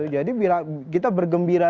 jadi kita bergembira